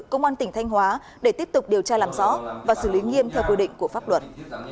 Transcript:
công an tỉnh thanh hóa để tiếp tục điều tra làm rõ và xử lý nghiêm theo quy định của pháp luật